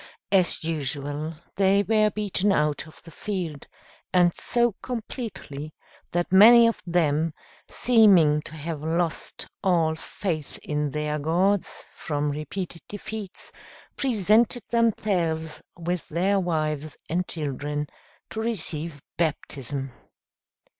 As usual, they were beaten out of the field, and so completely, that many of them, seeming to have lost all faith in their gods, from repeated defeats, presented themselves with their wives and children to receive baptism.